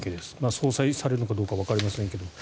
相殺されるのかどうかわかりませんが。